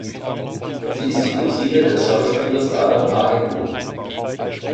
Sie ist die Cousine des Schauspielers Adam Hagenbuch.